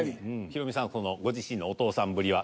ヒロミさんそのご自身のお父さんぶりは？